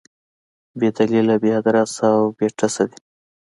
بې دلیله، بې ادرسه او بې ټسه دي.